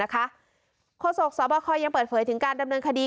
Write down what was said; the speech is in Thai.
โฆษกสบคยังเปิดเผยถึงการดำเนินคดี